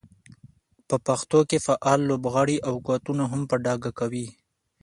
په پېښو کې فعال لوبغاړي او قوتونه هم په ډاګه کوي.